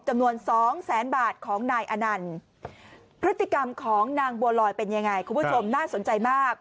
จำนวนสองแสนบาทของนายอนันต์พฤติกรรมของนางบัวลอยเป็นยังไงคุณผู้ชมน่าสนใจมาก